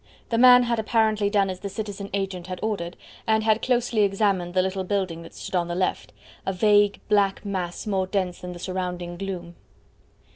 The man had apparently done as the citizen agent had ordered, and had closely examined the little building that stood on the left a vague, black mass more dense than the surrounding gloom.